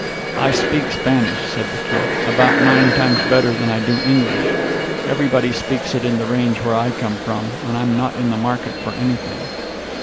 "I speak Spanish," said the Kid, "about nine times better than I do English. Everybody speaks it on the range where I come from. And I'm not in the market for anything."